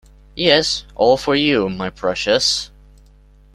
Yes; all for you, my precious!